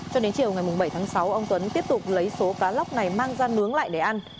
cho đến chiều ngày bảy tháng sáu ông tuấn tiếp tục lấy số cá lóc này mang ra nướng lại để ăn